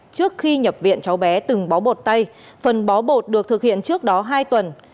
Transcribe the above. trước khi nhập viện cháu bé từng bó bột tay phần bó bột được thực hiện trước đó hai tuần